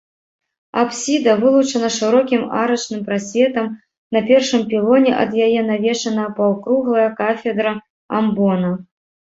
Апсіда вылучана шырокім арачным прасветам, на першым пілоне ад яе навешана паўкруглая кафедра амбона.